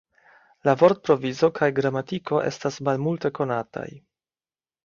La vortprovizo kaj gramatiko estas malmulte konataj.